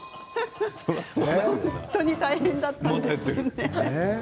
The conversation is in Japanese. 本当に大変だったんですね。